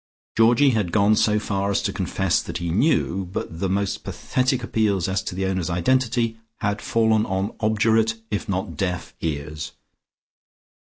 Georgie had gone so far as to confess that he knew, but the most pathetic appeals as to the owner's identity had fallen on obdurate, if not deaf, ears.